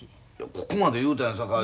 ここまで言うたんやさかい。